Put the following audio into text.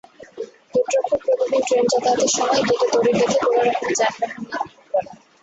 গেটরক্ষক প্রতিদিন ট্রেন যাতায়াতের সময় গেটে দড়ি বেঁধে কোনোরকমে যানবাহন নিয়ন্ত্রণ করেন।